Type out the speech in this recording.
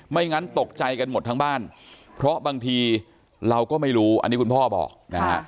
งั้นตกใจกันหมดทั้งบ้านเพราะบางทีเราก็ไม่รู้อันนี้คุณพ่อบอกนะฮะ